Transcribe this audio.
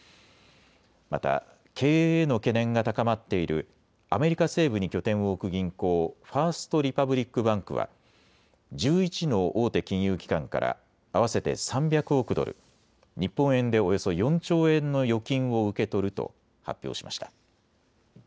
また経営への懸念が高まっているアメリカ西部に拠点を置く銀行、ファースト・リパブリック・バンクは１１の大手金融機関から合わせて３００億ドル、日本円でおよそ４兆円の預金を受け取ると発表しました。